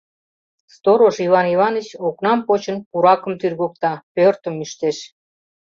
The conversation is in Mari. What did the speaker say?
Сторож Иван Иваныч, окнам почын, пуракым тӱргыкта, пӧртым ӱштеш.